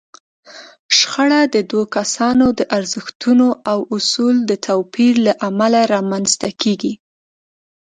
شخړه د دوو کسانو د ارزښتونو او اصولو د توپير له امله رامنځته کېږي.